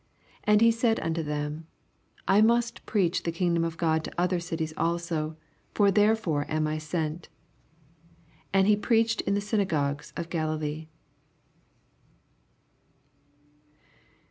43 And he said unto them, I must preaoh the kingdom of God to other cities also : for therefore am I sent. 44 And he preached in the syn* gogues of Galilee.